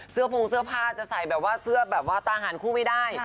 เสื้อโพงเสื้อผ้าจะใส่เสื้อต่างหารคู่ไม่ได้